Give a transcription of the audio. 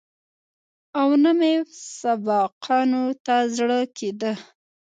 او نه مې سبقانو ته زړه کېده.